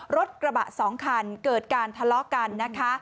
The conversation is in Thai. รถกระบะ๒คันเกิดการทะเลาะกันนะคะ